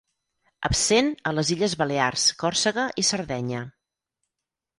Absent a les illes Balears, Còrsega i Sardenya.